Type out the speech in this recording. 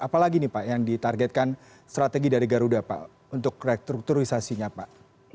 apalagi nih pak yang ditargetkan strategi dari garuda pak untuk restrukturisasinya pak